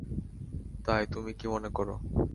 তাই, তুমি কি মনে করো?